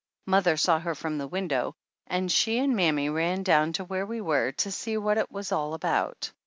Mother saw her from the window and she and mammy ran down to where we were to see what it was all about.